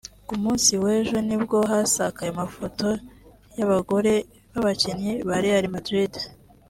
Ku munsi w’ejo nibwo hasakaye amafoto y’abagore b’abakinnyi ba Real Madrid